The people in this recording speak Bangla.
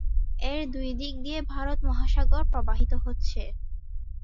এর দুই দিক দিয়ে ভারত মহাসাগর প্রবাহিত হচ্ছে।